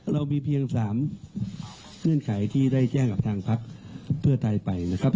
เรามีเพียง๓เงื่อนไขที่ได้แจ้งกับทางพักเพื่อไทยไปนะครับ